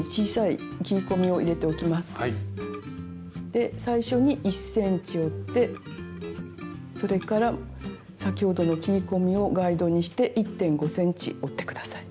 で最初に１ｃｍ折ってそれから先ほどの切り込みをガイドにして１．５ｃｍ折って下さい。